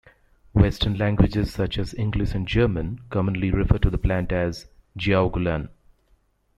Western languages such as English and German commonly refer to the plant as jiaogulan.